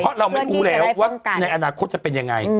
เพราะเราไม่รู้แล้วว่าในอนาคตจะเป็นยังไง